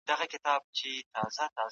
د خپلو نفسونو غيبت کول ناروا دي.